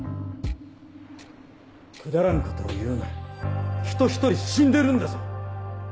くだらんことを言うな人ひとり死んでるんだぞ！